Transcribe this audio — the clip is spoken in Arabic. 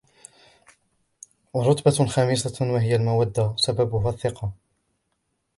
وَرُتْبَةٌ خَامِسَةٌ وَهِيَ الْمَوَدَّةُ ، وَسَبَبُهَا الثِّقَةُ